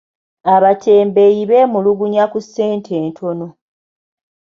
Abatembeeyi beemulugunya ku ssente entono.